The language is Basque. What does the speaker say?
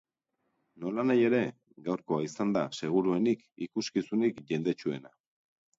Nolanahi ere, gaurkoa izango da seguruenik ikuskizunik jendetsuena.